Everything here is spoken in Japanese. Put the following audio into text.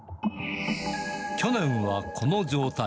去年はこの状態。